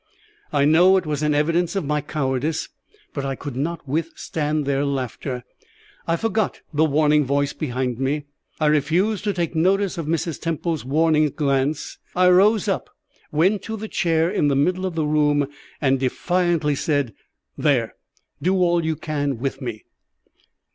I know it was an evidence of my cowardice, but I could not withstand their laughter. I forgot the warning voice behind me; I refused to take notice of Mrs. Temple's warning glance; I rose up, went to the chair in the middle of the room, and defiantly said, "There! do all you can with me."